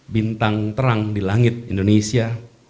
bintang terang di langit indonesia